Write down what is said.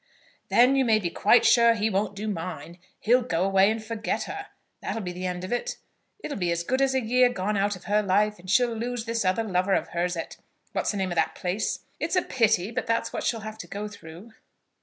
"Then you may be quite sure he won't do mine. He'll go away and forget her. That'll be the end of it. It'll be as good as a year gone out of her life, and she'll lose this other lover of hers at what's the name of the place? It's a pity, but that's what she'll have to go through."